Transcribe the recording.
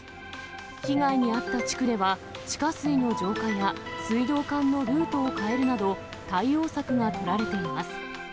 被害に遭った地区では、地下水の浄化や、水道管のルートを変えるなど、対応策が取られています。